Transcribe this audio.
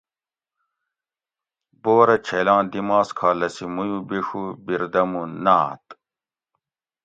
بورہ چھیلاں دی ماس کھا لسی مُویُو بیشو بیردمو ناۤت